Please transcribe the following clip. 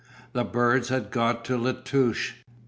The birds had got at La Touche.